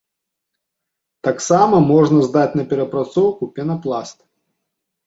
Таксама можна здаць на перапрацоўку пенапласт.